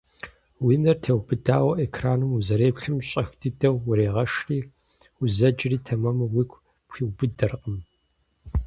Уи нэр теубыдауэ экраным узэреплъым щӀэх дыдэу урегъэшри, узэджэри тэмэму уигу пхуиубыдэркъым.